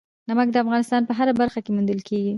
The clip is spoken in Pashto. نمک د افغانستان په هره برخه کې موندل کېږي.